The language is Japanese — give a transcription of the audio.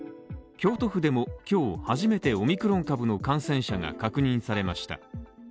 京都府でも、今日初めてオミクロン株の感染者が確認されました。